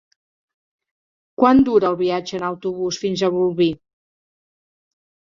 Quant dura el viatge en autobús fins a Bolvir?